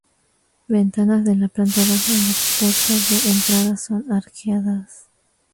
Ventanas de la planta baja y la puerta de entrada son arqueadas.